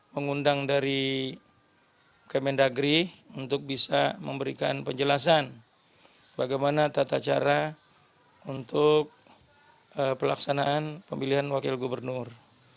mengundang dari kemendagri untuk bisa memberikan penjelasan bagaimana tata cara untuk pelaksanaan pemilihan wakil gubernur